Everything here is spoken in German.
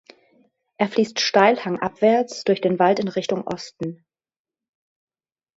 Er fließt steil hangabwärts durch den Wald in Richtung Osten.